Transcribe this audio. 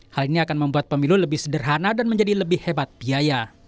hal ini akan membuat pemilu lebih sederhana dan menjadi lebih hebat biaya